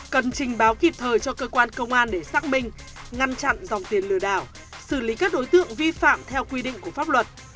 cần trình báo kịp thời cho cơ quan công an để xác minh ngăn chặn dòng tiền lừa đảo xử lý các đối tượng vi phạm theo quy định của pháp luật